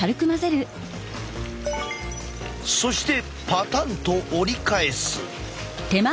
そしてパタンと折り返す。